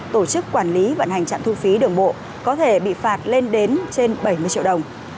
tổ chức quản lý vận hành trạm thu phí đường bộ có thể bị phạt lên đến trên bảy mươi triệu đồng